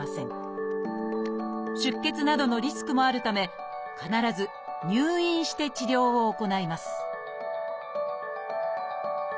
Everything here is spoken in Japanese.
出血などのリスクもあるため必ず入院して治療を行います